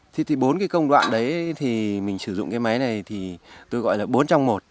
thế thì bốn cái công đoạn đấy thì mình sử dụng cái máy này thì tôi gọi là bốn trong một